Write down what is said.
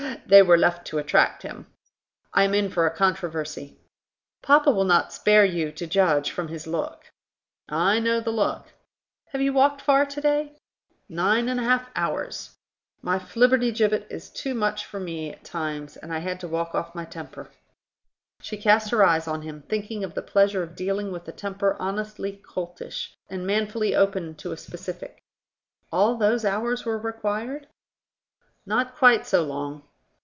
"They were left to attract him. I am in for a controversy." "Papa will not spare you, to judge from his look." "I know the look." "Have you walked far to day?" "Nine and a half hours. My Flibbertigibbet is too much for me at times, and I had to walk off my temper." She cast her eyes on him, thinking of the pleasure of dealing with a temper honestly coltish, and manfully open to a specific. "All those hours were required?" "Not quite so long."